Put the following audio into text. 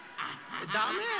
ダメ？